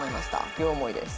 両思いです。